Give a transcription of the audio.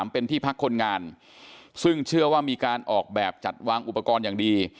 เป็นที่พักคนงานซึ่งเชื่อว่ามีการออกแบบจัดวางอุปกรณ์อย่างดี